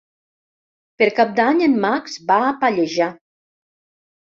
Per Cap d'Any en Max va a Pallejà.